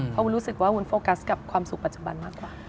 เพราะวุ้นรู้สึกว่าวุ้นโฟกัสกับความสุขปัจจุบันมากกว่า